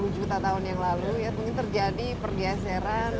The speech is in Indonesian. sepuluh juta tahun yang lalu ya mungkin terjadi pergeseran